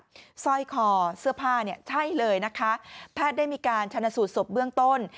สร้อยคอเสื้อผ้าใช่เลยถ้าได้มีการชนะสูตรศพเบื้องต้น